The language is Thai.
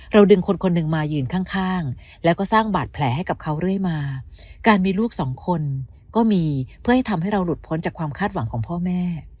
ดึงคนคนหนึ่งมายืนข้างแล้วก็สร้างบาดแผลให้กับเขาเรื่อยมาการมีลูกสองคนก็มีเพื่อให้ทำให้เราหลุดพ้นจากความคาดหวังของพ่อแม่